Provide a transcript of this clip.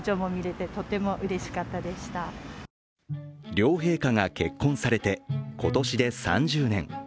両陛下が結婚されて今年で３０年。